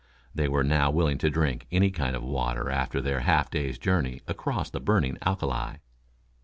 They were now willing to drink any kind of water after their half day's journey across the burning alkali.